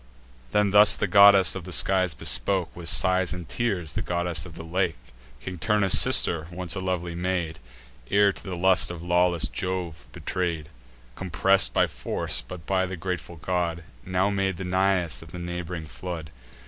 Then thus the goddess of the skies bespoke, With sighs and tears, the goddess of the lake, King Turnus' sister, once a lovely maid, Ere to the lust of lawless Jove betray'd: Compress'd by force, but, by the grateful god, Now made the Nais of the neighb'ring flood.